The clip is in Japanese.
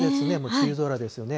梅雨空ですよね。